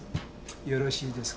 よろしいですか？